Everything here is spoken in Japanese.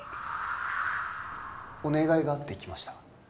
お願いがあって来ました